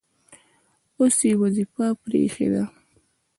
اوس یې وظیفه پرې ایښې ده.